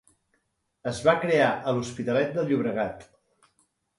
Es va crear a l'Hospitalet de Llobregat.